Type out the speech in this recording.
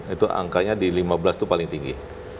itu angkanya di lima belas itu paling tinggi